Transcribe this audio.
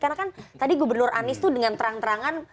karena kan tadi gubernur anies itu dengan terang terangan